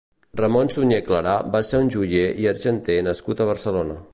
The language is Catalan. Ramon Sunyer Clarà va ser un joier i argenter nascut a Barcelona.